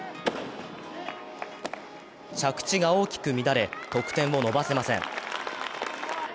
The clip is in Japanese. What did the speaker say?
着地が大きく乱れ、得点を伸ばせません。